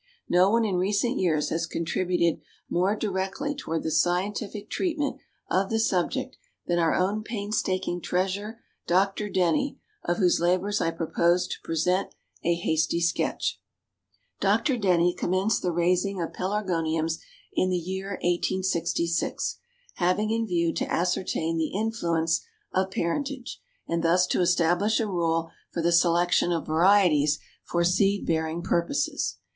No one in recent years has contributed more directly toward the scientific treatment of the subject than our own painstaking Treasurer, Dr. DENNY, of whose labors I propose to present a hasty sketch. "Dr. DENNY commenced the raising of Pelargoniums in the year 1866, having in view to ascertain the influence of parentage, and thus to establish a rule for the selection of varieties for seed bearing purposes.